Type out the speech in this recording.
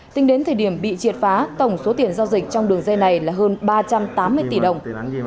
tính đến thời điểm bị triệt phá tổng số tiền giao dịch trong đường dây này là hơn ba trăm tám mươi tỷ đồng